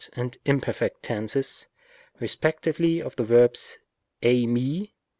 and imperf. tenses respectively of the verb εἰμί : 6.